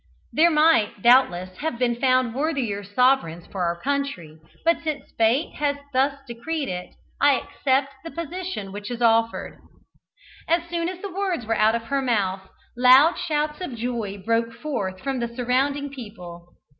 There might, doubtless, have been found worthier sovereigns for our country, but since Fate has thus decreed it, I accept the position which is offered." As soon as the words were out of her mouth, loud shouts of joy broke forth from the surrounding people.